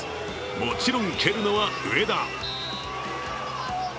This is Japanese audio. もちろん蹴るのは上田。